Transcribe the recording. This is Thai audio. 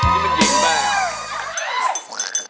นี่มันหญิงมาก